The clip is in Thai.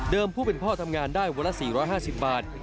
ผู้เป็นพ่อทำงานได้วันละ๔๕๐บาท